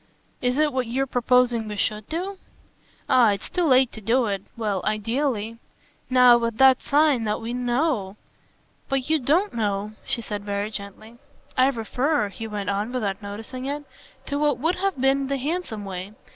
"Is it what you're proposing we SHOULD do?" "Ah it's too late to do it well, ideally. Now, with that sign that we KNOW !" "But you don't know," she said very gently. "I refer," he went on without noticing it, "to what would have been the handsome way.